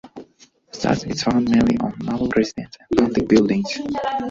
Thus, it is found mainly on noble residences and public buildings.